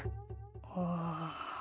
ああ。